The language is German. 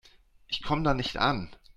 Ich komme da nicht an.